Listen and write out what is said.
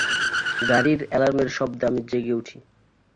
গাড়ির এলার্মের শব্দে আমি জেগে উঠি।